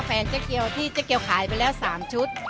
เจ๊เกียวที่เจ๊เกียวขายไปแล้ว๓ชุด